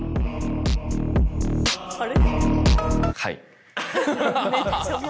あれ？